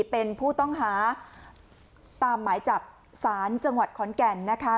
เป็นผู้ต้องหาตามหมายจับสารจังหวัดขอนแก่นนะคะ